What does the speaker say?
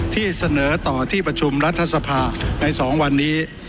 ที่เสนอต่อที่ประชุมรัฐสภาใน๒วันนี้